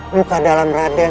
buka dalam raden